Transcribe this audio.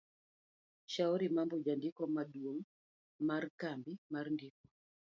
Shauri Mambo Jandiko maduong' mar Kambi mar ndiko